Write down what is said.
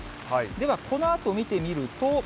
ではこのあと見てみると。